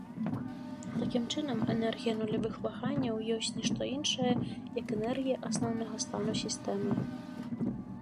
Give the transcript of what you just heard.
Такім чынам, энергія нулявых ваганняў ёсць ні што іншае, як энергія асноўнага стану сістэмы.